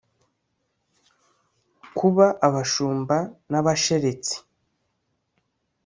kuba abashumba n’abasheretsi,